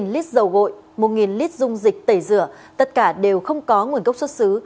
một lít dầu gội một lít dung dịch tẩy rửa tất cả đều không có nguồn gốc xuất xứ